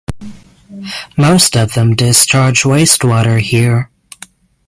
Most of them discharge wastewater here.